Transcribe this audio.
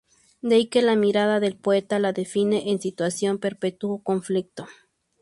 De allí que la mirada del poeta la defina en situación de perpetuo conflicto.